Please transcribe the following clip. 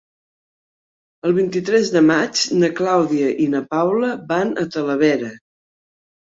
El vint-i-tres de maig na Clàudia i na Paula van a Talavera.